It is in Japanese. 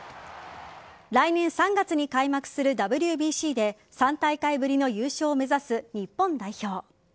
来年３月に開幕するＷＢＣで３大会ぶりの優勝を目指す日本代表。